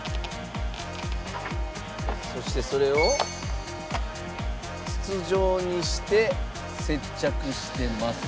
そしてそれを筒状にして接着してます。